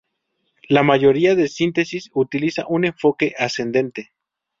La mayoría de síntesis utilizan un enfoque ascendente.